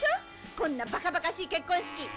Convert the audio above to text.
「こんなバカバカしい結婚式」